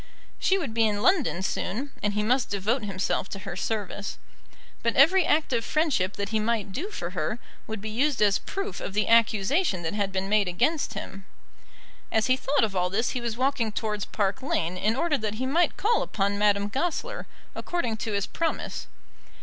She would be in London soon, and he must devote himself to her service. But every act of friendship that he might do for her would be used as proof of the accusation that had been made against him. As he thought of all this he was walking towards Park Lane in order that he might call upon Madame Goesler according to his promise.